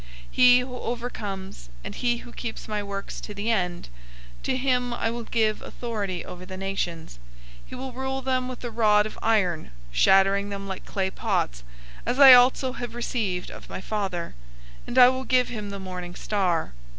002:026 He who overcomes, and he who keeps my works to the end, to him I will give authority over the nations. 002:027 He will rule them with a rod of iron, shattering them like clay pots;{Psalm 2:9} as I also have received of my Father: 002:028 and I will give him the morning star.